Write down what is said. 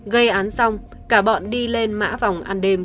gây án xong cả bọn đi lên mã vòng ăn đêm